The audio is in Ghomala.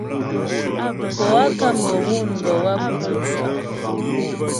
Poâ Kamerun bə́ wáp kuŋ fa'.